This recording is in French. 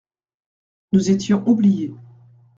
Nous étions oubliés.